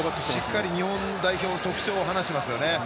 しっかり日本代表の特徴を話してますね。